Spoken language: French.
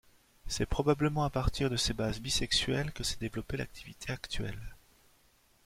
C'est probablement à partir de ces bases bisexuelles que s'est développée l'activité actuelle.